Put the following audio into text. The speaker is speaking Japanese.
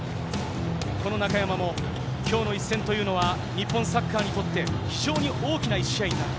この中山も、きょうの一戦というのは、日本サッカーにとって、非常に大きな一試合になる。